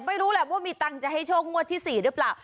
ไม่รู้แหละว่ามีตังค์จะให้โชคงวดที่๔หรือเปล่า